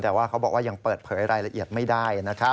แต่ว่าเขาบอกว่ายังเปิดเผยรายละเอียดไม่ได้นะครับ